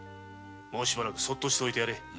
しばらくそっとしておいてやれ。